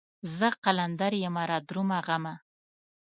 زه قلندر يمه رادرومه غمه